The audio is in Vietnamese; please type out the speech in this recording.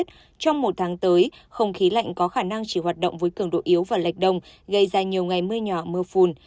trong một tháng tới không khí lạnh có khả năng chỉ hoạt động với cường độ yếu và lệch đông gây ra nhiều ngày mưa nhỏ mưa phùn